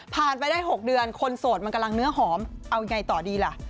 ไปได้๖เดือนคนโสดมันกำลังเนื้อหอมเอายังไงต่อดีล่ะ